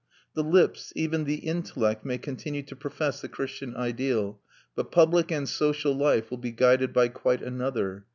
The lips, even the intellect, may continue to profess the Christian ideal; but public and social life will be guided by quite another.